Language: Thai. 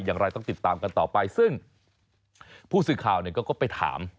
อย่างไรต้องติดตามกันต่อไปซึ่งผู้สื่อข่าวเนี่ยก็ไปถาม